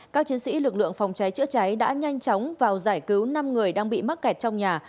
các chiến sĩ lực lượng phòng cháy chữa cháy đã nhanh chóng vào giải cứu năm người đang bị mắc kẹt trong nhà